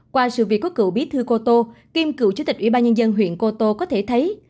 qua sự việc có cựu bí thư cô tô kiêm cựu chủ tịch ủy ban nhân dân huyện cô tô có thể thấy